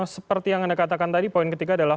seperti yang anda katakan tadi poin ketiga adalah